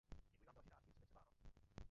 Děkuji vám za vaše dárky v předvečer Vánoc.